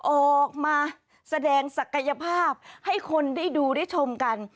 ออกมาแสดงศักยภาพให้คนได้ดูได้ชมกัน